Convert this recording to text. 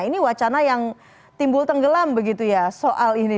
ini wacana yang timbul tenggelam begitu ya soal ini